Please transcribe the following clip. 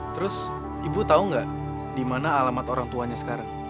terus ibu tau gak di mana alamat orangtuanya sekarang